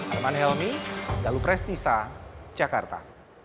armand helmy dalu prestisa jakarta